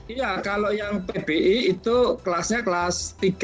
iya kalau yang pbi itu kelasnya kelas tiga